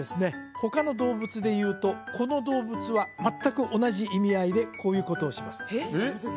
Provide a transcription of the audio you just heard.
他の動物でいうとこの動物は全く同じ意味合いでこういうことをします